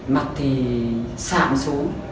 mặt thì sạm xuống